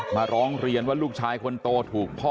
มาร้องเรียนว่าลูกชายคนโตถูกพ่อ